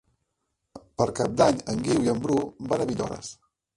Per Cap d'Any en Guiu i en Bru van a Villores.